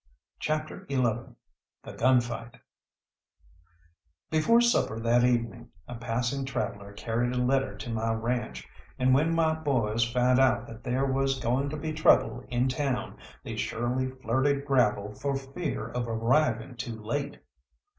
CHAPTER XI THE GUN FIGHT Before supper that evening a passing traveller carried a letter to my ranche, and when my boys found out that there was going to be trouble in town they surely flirted gravel for fear of arriving too late.